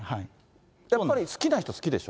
やっぱり好きな人好きでしょ。